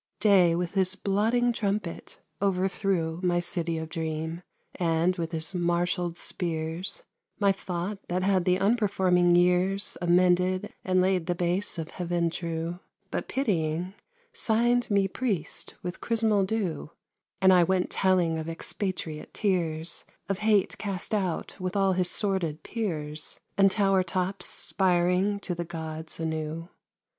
Day, with his blotting trumpet, overthrew My city of dream, and, with his marshalled spears, My thought that had the unperforming years Amended and laid the base of heaven true; But pitying, signed me priest with chrismal dew, And I went telling of expatriate tears, Of Hate cast out with all his sworded peers, And tower tops spiring to the gods anew.